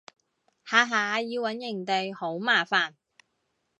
下下要搵營地好麻煩